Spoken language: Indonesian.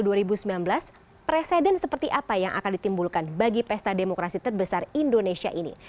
dan presiden seperti apa yang akan ditimbulkan bagi pesta demokrasi terbesar indonesia ini